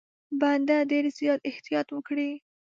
بنده ډېر زیات احتیاط وکړي.